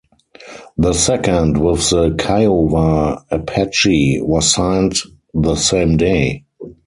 The second, with the Kiowa-Apache, was signed the same day.